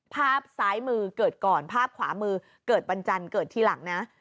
ภาพซ้ายมือเกิดก่อนภาพขวามือเกิดวันจันทร์เกิดทีหลังนะ